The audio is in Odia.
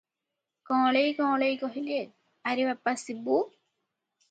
କଅଁଳେଇ କଅଁଳେଇ କହିଲେ, "ଆରେ ବାପା ଶିବୁ!